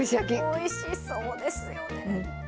おいしそうですよね。